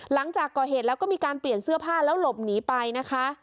หลังจากก่อเหตุแล้วก็มีการเปลี่ยนเสื้อผ้าแล้วหลบหนีไปนะคะ